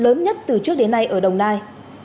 lớn nhất từ trước đến nay ở đồng nai